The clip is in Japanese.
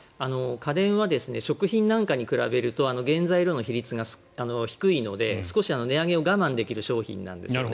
家電は食品なんかに比べると原材料の比率が低いので少し値上げを我慢できる商品なんですよね。